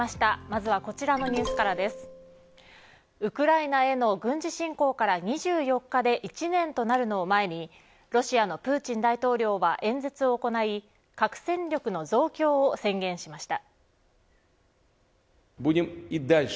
まずはこちらのニュースからですウクライナへの軍事侵攻から２４日で１年となるのを前にロシアのプーチン大統領は演説を行い核戦力の増強を宣言しました。